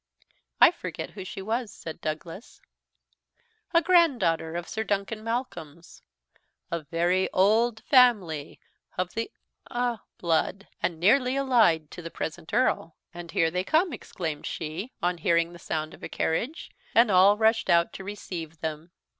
"I forget who she was," said Douglas. "A grand daughter of Sir Duncan Malcolm's, a very old family of the blood, and nearly allied to the present Earl. And here they come," exclaimed she, on hearing the sound of a carriage; and all rushed out to receive them.